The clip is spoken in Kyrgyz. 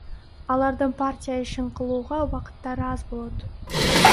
Алардын партия ишин кылууга убакыттары аз болот.